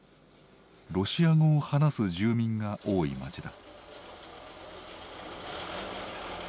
ロシア語を話す住民が多い街だ。